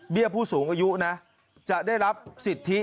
ผู้สูงอายุนะจะได้รับสิทธิ